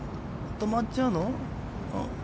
止まっちゃうの？